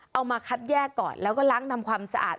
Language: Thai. เอามาคัดแยกก่อนแล้วก็ล้างทำความสะอาด